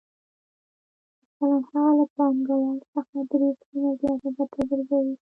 مثلاً هغه له پانګوال څخه درې سلنه زیاته ګټه ګرځوي